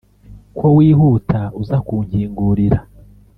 Ko wihuta uza kunkingurira